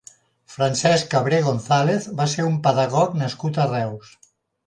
Francesc Cabré González va ser un pedagog nascut a Reus.